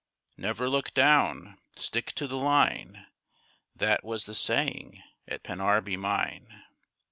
'Never look down! Stick to the line!' That was the saying at Pennarby mine.